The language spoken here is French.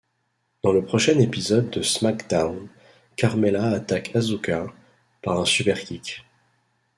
Dans le prochain épisode de SmackDown, Carmella attaque Asuka par un super kick.